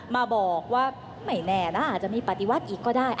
มาบอกว่าไม่แน่นะอาจจะมีปฏิวัติอีกก็ได้